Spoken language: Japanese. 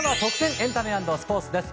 エンタメ＆スポーツです。